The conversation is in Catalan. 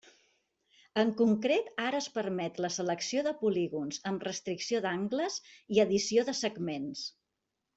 En concret ara es permet la selecció de polígons, amb restricció d'angles i edició de segments.